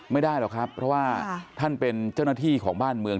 ไม่ได้หรอกครับเพราะว่าท่านเป็นเจ้าหน้าที่ของบ้านเมือง